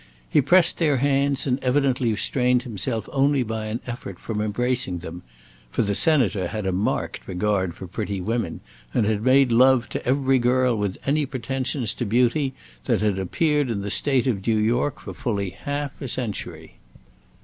He pressed their hands and evidently restrained himself only by an effort from embracing them, for the Senator had a marked regard for pretty women, and had made love to every girl with any pretensions to beauty that had appeared in the State of New York for fully half a century.